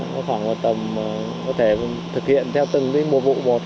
nó khoảng một tầm có thể thực hiện theo từng mùa vụ một